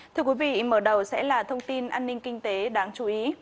thưa quý vị mở đầu sẽ là thông tin an ninh kinh tế đáng chú ý